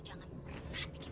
jangan biru satu sikit